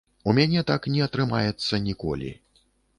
У мяне так не атрымаецца ніколі.